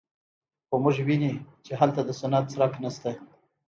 خو موږ ویني چې هلته د صنعت څرک نشته